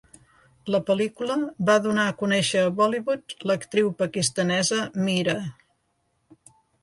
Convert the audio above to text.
La pel·lícula va donar a conèixer a Bollywood l'actriu pakistanesa Meera.